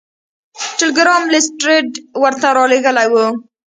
ټیلګرام لیسټرډ ورته رالیږلی و.